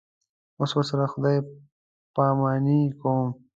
اوس ورسره خدای پاماني کوم.